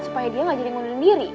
supaya dia gak jadi mundurin diri